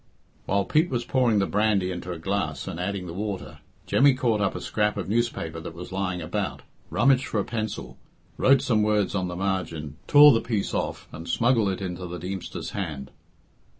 While Pete was pouring the brandy into a glass and adding the water, Jemmy caught up a scrap of newspaper that was lying about, rummaged for a pencil, wrote some words on the margin, tore the piece off, and smuggled it into the Deemster's hand.